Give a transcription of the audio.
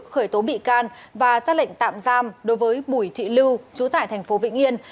khởi tố bị can và xác lệnh tạm giam đối với bùi thị lưu chú tại tp vĩnh yên